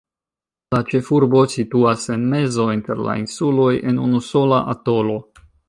La ĉefurbo situas en mezo inter la insuloj, en unusola atolo.